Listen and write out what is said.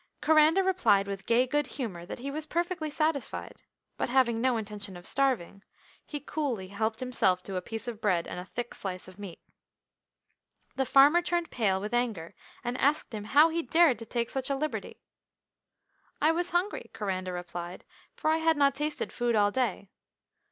Coranda replied with gay good humour that he was perfectly satisfied, but having no intention of starving, he coolly helped himself to a piece of bread and a thick slice of meat. The farmer turned pale with anger, and asked him how he dared to take such a liberty. "I was hungry," Coranda replied, "for I had not tasted food all day.